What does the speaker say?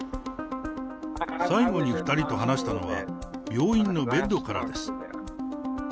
最後に２人と話したのは、病院のベッドからです。